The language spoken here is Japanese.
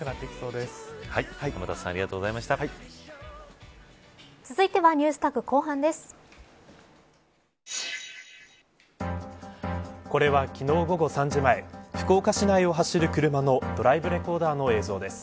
これは昨日午後３時前福岡市内を走る車のドライブレコーダーの映像です。